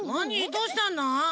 どうしたの？